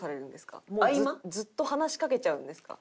ずっと話しかけちゃうんですか？